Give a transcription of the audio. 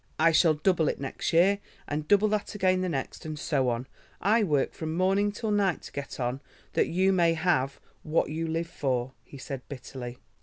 "I shall double it next year, and double that again the next, and so on. I work from morning till night to get on, that you may have—what you live for," he said bitterly.